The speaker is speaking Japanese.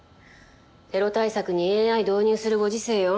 テロ対策にＡＩ導入するご時勢よ。